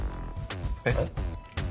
えっ？